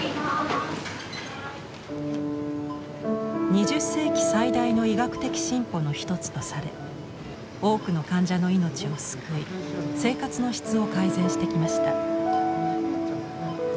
２０世紀最大の医学的進歩の一つとされ多くの患者の命を救い生活の質を改善してきました。